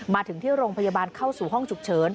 มาถึงที่โรงพยาบาลเข้าสู่ห้องฉุกเฉิน